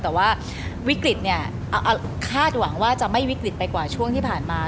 แต่ว่าวิกฤตเนี่ยคาดหวังว่าจะไม่วิกฤตไปกว่าช่วงที่ผ่านมา